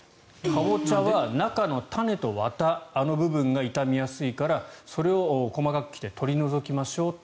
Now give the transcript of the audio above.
カボチャは中の種とわたあの部分が傷みやすいからそれを細かく切って取り除きましょう。